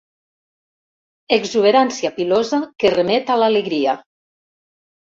Exuberància pilosa que remet a l'alegria.